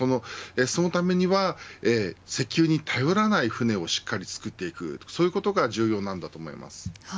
そのためには石油に頼らない船をしっかり作っていくそういうことが重要なんだと思います。